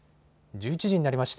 １１時になりました。